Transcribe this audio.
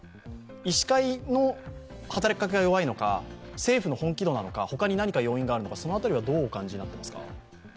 医師会の働きかけが弱いのか政府の本気度なのか他に何か要因があるのか、どうお感じになっていますか？